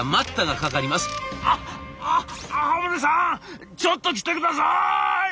「ああ赤宗さん！ちょっと来てください！」。